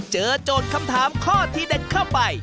โจทย์คำถามข้อที่เด็ดเข้าไป